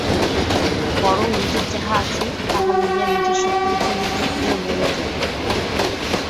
বরং নিজের যাহা আছে, তাহা লইয়া নিজের শক্তির উপর নির্ভর করিয়া মরিয়া যাও।